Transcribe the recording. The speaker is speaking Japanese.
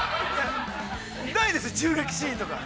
ないです、銃撃シーンとか。